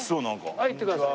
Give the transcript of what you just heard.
はい行ってください。